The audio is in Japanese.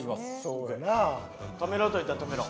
「止めろ」と言ったら止めろ。